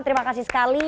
terima kasih sekali